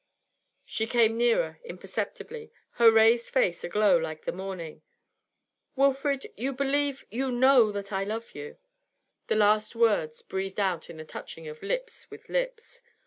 She came nearer, imperceptibly, her raised face aglow like the morning. 'Wilfrid you believe you know that I love you?' The last word breathed out in the touching of lips with lips.